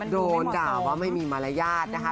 โดนด่าว่าไม่มีมารยาทนะคะ